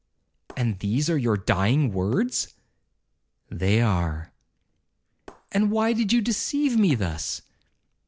'And these are your dying words?' 'They are.' 'And why did you deceive me thus?'